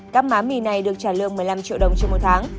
các má mì này được trả lương một mươi năm triệu đồng trên một tháng